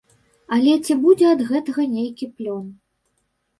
Але ці будзе ад гэтага нейкі плён?